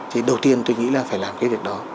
thì đầu tiên tôi nghĩ là phải làm cái việc đó